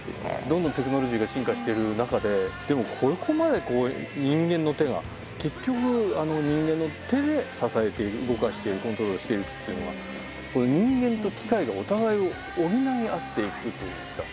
どんどんテクノロジーが進化している中ででもここまで人間の手が結局人間の手で支えている動かしているコントロールしているっていうのがその力こそがニッポンの底力だと思いました。